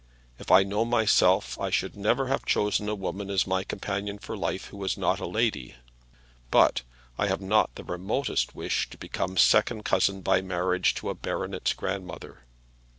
If I know myself I should never have chosen a woman as my companion for life who was not a lady; but I have not the remotest wish to become second cousin by marriage to a baronet's grandmother.